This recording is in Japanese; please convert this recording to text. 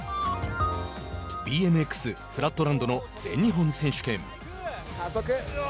ＢＭＸフラットランドの全日本選手権。